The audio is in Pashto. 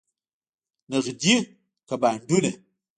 نغدې که بانډونه؟